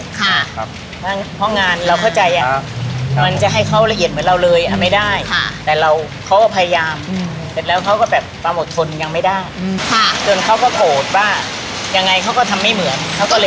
ยังไงเขาก็ทำไม่เหมือนเขาก็เลยไปเปิดร้านพี่สายต้าน